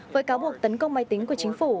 với cáo buộc tấn công máy tính của chính phủ